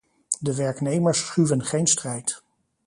De werknemers schuwen geen strijd.